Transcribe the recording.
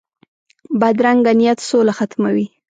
بدرنګه نیت سوله ختموي